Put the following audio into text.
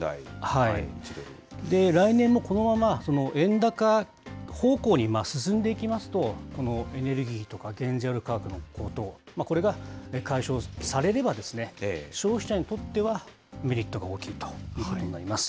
来年もこのまま円高方向に進んでいきますと、このエネルギーとか原材料価格の高騰、これが解消されれば、消費者にとってはメリットが大きいということになります。